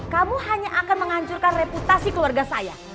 kamu hanya akan menghancurkan reputasi keluarga saya